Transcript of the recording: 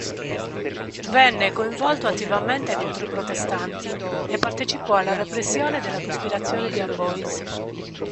Venne coinvolto attivamente contro i protestanti, e partecipò alla repressione della cospirazione di Amboise.